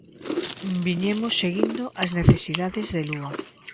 Viñemos seguindo as necesidades de Lúa.